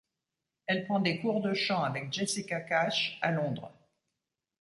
Elle prend des cours de chant avec Jessica Cash, à Londres.